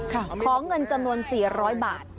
ขอเงินจำนวน๔๐๐บาท